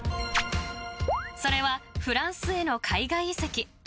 ［それはフランスへの海外移籍］